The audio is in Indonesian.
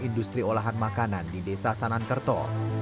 industri olahan makanan di desa sanankerto